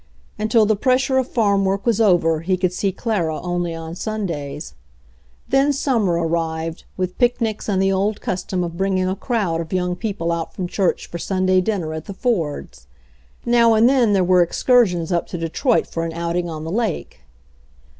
Until the pressure of farm work was over.be could see Clara only on Sundays. Then summer arrived, with picnics and the old custom of bringing a crowd of young people out from church for Sunday dinner at the Fords'. Now and then there were excursions up to Detroit for an outing on the lake.